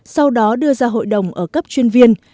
sau đó đưa ra hội đồng ở cấp chuyên viên